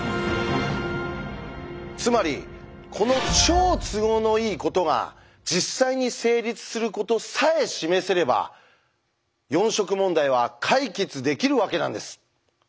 つまりこの超都合のいいことが実際に成立することさえ示せれば四色問題は解決できるわけなんです。